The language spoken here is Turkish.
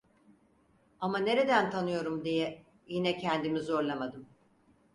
Ama nereden tanıyorum, diye yine kendimi zorlamadım.